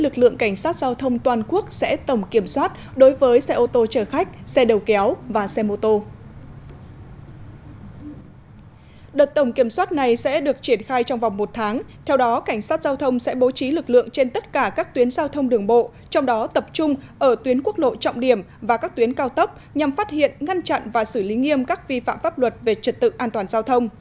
cảnh sát giao thông sẽ bố trí lực lượng trên tất cả các tuyến giao thông đường bộ trong đó tập trung ở tuyến quốc lộ trọng điểm và các tuyến cao tốc nhằm phát hiện ngăn chặn và xử lý nghiêm các vi phạm pháp luật về trật tự an toàn giao thông